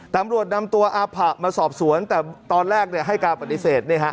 ตำรวจนำตัวอาผะมาสอบสวนแต่ตอนแรกให้การปฏิเสธ